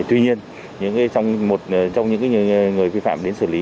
tuy nhiên một trong những người vi phạm đến xử lý